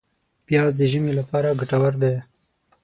پیاز د ژمي لپاره ګټور دی